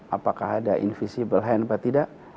apakah ada invisible hand apa tidak